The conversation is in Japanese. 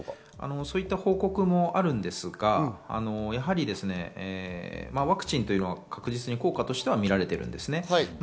そういった報告もあるんですが、ワクチンというのは確実に効果としてはみられているんですね。